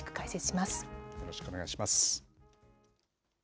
よろしくお願いします。